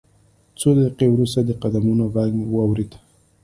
څو دقیقې وروسته د قدمونو غږ مې واورېد